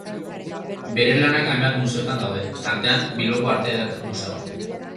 Bere lanak hainbat museotan daude, tartean Bilboko Arte Eder Museoan.